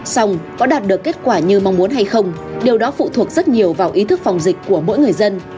xong có đạt được kết quả như mong muốn hay không điều đó phụ thuộc rất nhiều vào ý thức phòng dịch của mỗi người dân